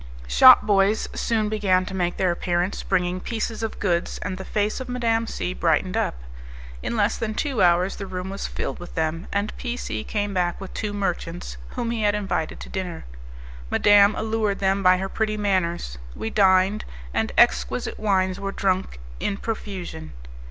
Shop boys soon began to make their appearance, bringing pieces of goods, and the face of Madame C brightened up. In less than two hours the room was filled with them, and P C came back with two merchants, whom he had invited to dinner. Madame allured them by her pretty manners; we dined, and exquisite wines were drunk in profusion.